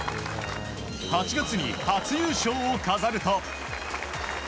８月に初優勝を飾ると。